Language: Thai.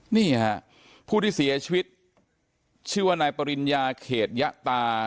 นี่ฮะผู้ที่เสียชีวิตชื่อว่านายปริญญาเขตยะตา